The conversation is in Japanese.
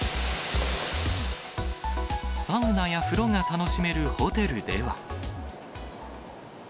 サウナや風呂が楽しめるホテルでは。